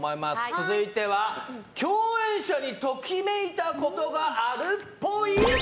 続いては、共演者にときめいたことがあるっぽい。